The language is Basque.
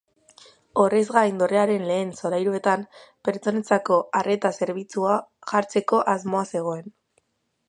Horrez gain, dorrearen lehen solairuetan, pertsonentzako arreta-zerbitzua jartzeko asmoa zegoen.